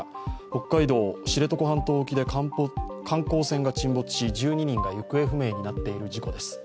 北海道知床半島沖で観光船が沈没し１２人が行方不明になっている事故です。